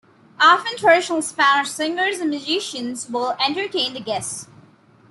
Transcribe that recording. Often traditional Spanish singers and musicians will entertain the guests.